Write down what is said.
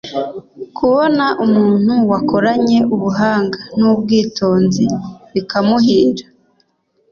kubona umuntu wakoranye ubuhanga n'ubwitonzi bikamuhira